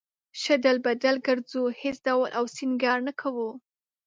شډل بډل گرځو هېڅ ډول او سينگار نۀ کوو